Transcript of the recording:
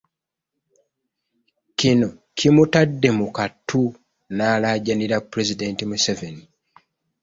Kino kimutadde mu kattu n'alaajanira pulezidenti Museveni.